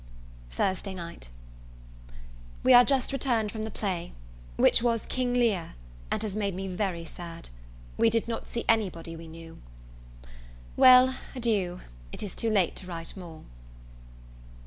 Thursday Night. We are just returned from the play, which was King Lear, and has made me very sad. We did not see any body we knew. Well, adieu, it is too late to write more.